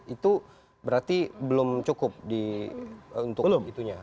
itu berarti belum cukup untuk itunya